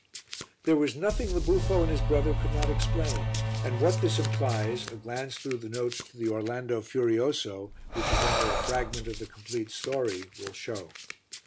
There was nothing the buffo and his brother could not explain, and what this implies a glance through the notes to the Orlando Furioso, which is only a fragment of the complete story, will show.